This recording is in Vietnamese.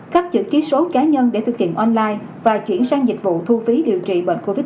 cấp chữ ký số cá nhân để thực hiện online và chuyển sang dịch vụ thu phí điều trị bệnh covid một mươi chín